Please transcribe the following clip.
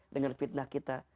dengan fitnah kita